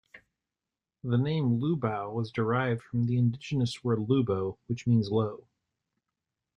The name Lubao was derived from the indigenous word "lubo" which means low.